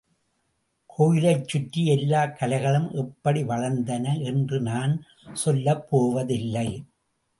கோயிலைச் சுற்றி எல்லாக் கலைகளும் எப்படி வளர்ந்தன என்று நான் சொல்லப் போவதில்லை.